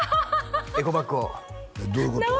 エコバッグをどういうこと？